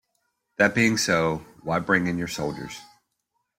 That being so, why bring in your soldiers?